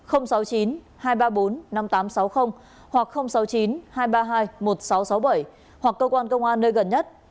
hoặc sáu mươi chín hai trăm ba mươi hai một nghìn sáu trăm sáu mươi bảy hoặc cơ quan công an nơi gần nhất